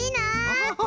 アハハハ